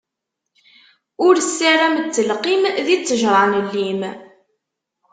Ur ssaram ttelqim di ttejṛa n llim!